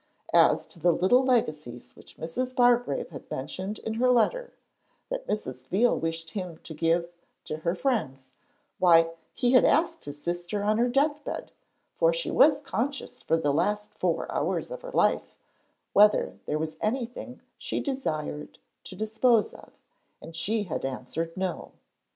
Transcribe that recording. As to the little legacies which Mrs. Bargrave had mentioned in her letter that Mrs. Veal wished him to give to her friends, why, he had asked his sister on her death bed for she was conscious for the last four hours of her life whether there was anything she desired to dispose of, and she had answered no.